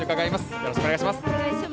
よろしくお願お願いします。